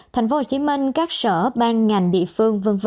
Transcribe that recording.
tp hcm các sở ban ngành địa phương v v